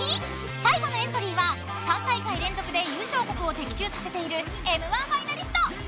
最後のエントリーは３大会連続で優勝国を的中させている「Ｍ‐１」ファイナリスト。